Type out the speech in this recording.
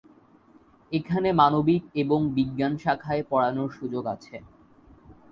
এখানে মানবিক এবং বিজ্ঞান শাখায় পড়ানোর সুযোগ আছে।